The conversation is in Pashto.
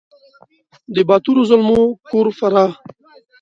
د باتورو زلمو کور فراه !